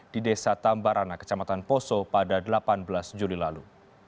di desa tambarana kecamatan poso pada delapan belas juli lalu